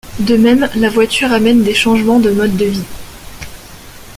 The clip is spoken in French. De même, la voiture amène des changements de modes de vie.